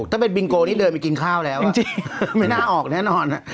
ถ้าเป็นบิงโกนี่เดินไปกินข้าวแล้วจริงไม่น่าออกแน่นอน